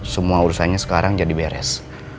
semua urusannya sekarang jadi beres